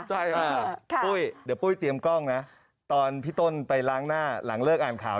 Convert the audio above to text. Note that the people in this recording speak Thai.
ใช่ค่ะปุ้ยเดี๋ยวปุ้ยเตรียมกล้องนะตอนพี่ต้นไปล้างหน้าหลังเลิกอ่านข่าว